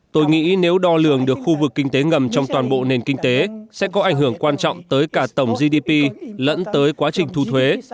tôi nghĩ nếu đo lường được khu vực kinh tế ngầm trong toàn bộ nền kinh tế sẽ có ảnh hưởng quan trọng tới cả tổng gdp lẫn tới quá trình thu thuế